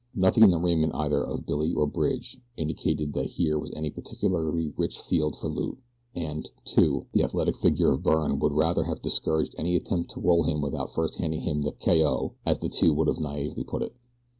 Nothing in the raiment either of Billy or Bridge indicated that here was any particularly rich field for loot, and, too, the athletic figure of Byrne would rather have discouraged any attempt to roll him without first handing him the "k.o.", as the two would have naively put it.